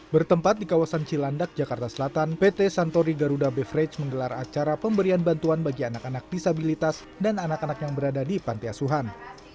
bertempat di kawasan cilandak jakarta selatan pt santori garuda beverage menggelar acara pemberian bantuan bagi anak anak disabilitas dan anak anak yang berada di panti asuhan